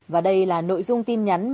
và đây là nội dung tin nhắn